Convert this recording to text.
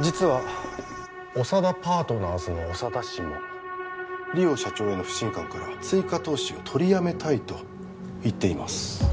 実は長田パートナーズの長田氏も梨央社長への不信感から追加投資を取りやめたいと言っています